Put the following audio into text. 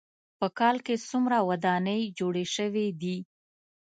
په کال کې څومره ودانۍ جوړې شوې دي.